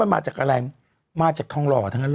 มันมาจากอะไรมาจากทองหล่อทั้งหมด